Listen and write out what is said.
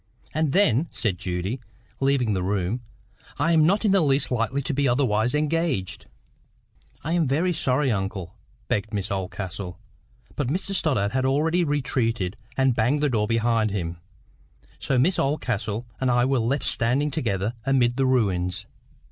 "And then," said Judy, leaving the room, "I am not in the least likely to be otherwise engaged." "I am very sorry, uncle," began Miss Oldcastle. But Mr Stoddart had already retreated and banged the door behind him. So Miss Oldcastle and I were left standing together amid the ruins.